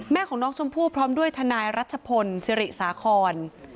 ของน้องชมพู่พร้อมด้วยทนายรัชพลศิริสาคร